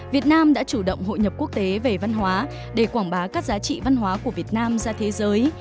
việt nam đã chủ động hội nhập quốc tế về văn hóa để quảng bá các giá trị văn hóa của việt nam ra thế giới